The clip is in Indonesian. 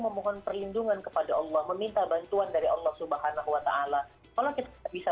memohon perlindungan kepada allah meminta bantuan dari allah subhanahu wa ta'ala kalau kita bisa